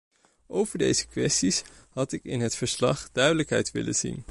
Over deze kwestie had ik in het verslag duidelijkheid willen zien.